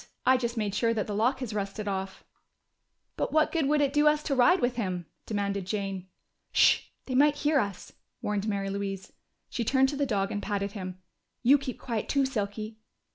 I just made sure that the lock has rusted off." "But what good would it do us to ride with him?" demanded Jane. "Sh! They might hear us!" warned Mary Louise. She turned to the dog and patted him. "You keep quiet too, Silky....